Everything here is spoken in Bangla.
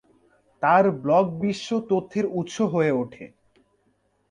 তার ব্লগ বিশ্ব তথ্যের উৎস হয়ে ওঠে।